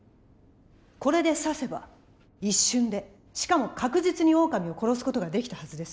これで刺せば一瞬でしかも確実にオオカミを殺す事ができたはずです。